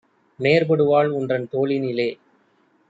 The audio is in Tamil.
நேர்படுவாள் உன்றன் தோளினிலே!